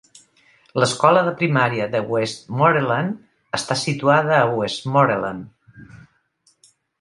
L'escola de primària de Westmoreland està situada a Westmoreland.